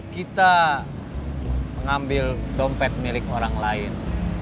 kita mengambil dompet milik orang lain